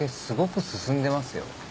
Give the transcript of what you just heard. すごく進んでますよ。